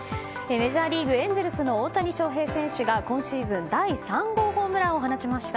メジャーリーグ、エンゼルスの大谷翔平選手が今シーズン第３号ホームランを放ちました。